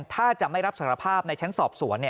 ถ้าจะไม่รับสารภาพในชั้นสอบสวน